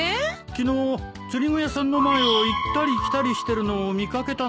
昨日釣り具屋さんの前を行ったり来たりしてるのを見掛けたんだ。